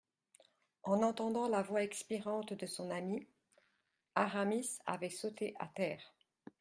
En entendant la voix expirante de son ami, Aramis avait sauté à terre.